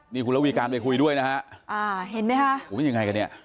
นี่คุณละวีการไปคุยด้วยนะฮะ